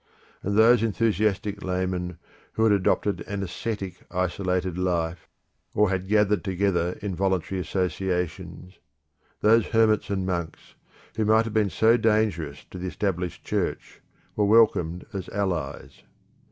And those enthusiastic laymen who had adopted an ascetic isolated life, or had gathered together in voluntary associations; those hermits and monks, who might have been so dangerous to the Established Church, were welcomed as allies.